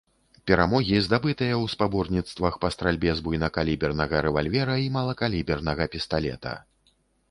Перамогі здабытыя ў спаборніцтвах па стральбе з буйнакалібернага рэвальвера і малакалібернага пісталета.